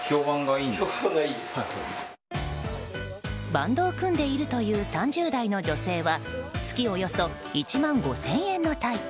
バンドを組んでいるという３０代の女性は月およそ１万５０００円のタイプ。